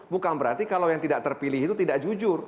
bukan berarti kalau yang tidak terpilih itu tidak jujur